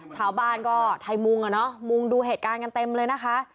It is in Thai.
ชาวบ้านก็ไทยมุงอ่ะเนอะมุงดูเหตุการณ์กันเต็มเลยนะคะ